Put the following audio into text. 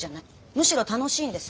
むしろ楽しいんです。